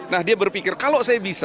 nah dia berpikir kalau saya bisa